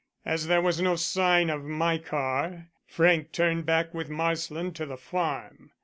As there was no sign of my car, Frank turned back with Marsland to the farm.